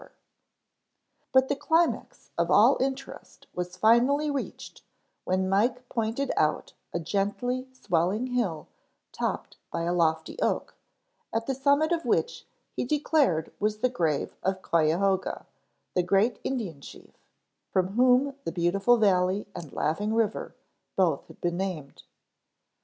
But the climax of all interest was finally reached when Mike pointed out a gently swelling hill topped by a lofty oak, at the summit of which he declared was the grave of Cuyahoga, the great Indian chief, from whom the beautiful valley and laughing river both had been named.